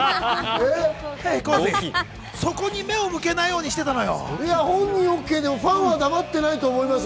そこに目を向けないようにしてたのよ。